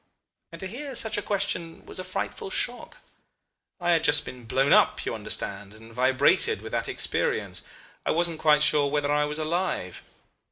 and to hear such a question was a frightful shock. I had just been blown up, you understand, and vibrated with that experience, I wasn't quite sure whether I was alive.